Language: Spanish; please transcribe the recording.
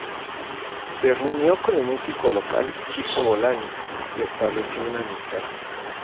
Se reunió con el músico local "Chico Bolaño" y estableció una amistad.